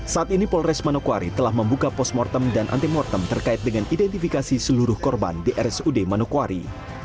saat ini polres manokwari telah membuka post mortem dan anti mortem terkait dengan identifikasi seluruh korban di rsud manokwari